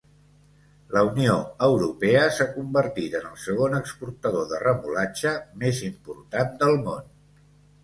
La Unió Europea s'ha convertit en el segon exportador de remolatxa més important del món.